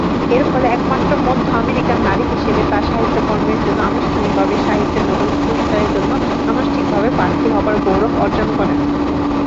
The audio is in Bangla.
এরফলে একমাত্র মধ্য আমেরিকান নারী হিসেবে তার সাহিত্যকর্মের জন্য আনুষ্ঠানিকভাবে সাহিত্যে নোবেল পুরস্কারের জন্য আনুষ্ঠানিকভাবে প্রার্থী হবার গৌরব অর্জন করেন।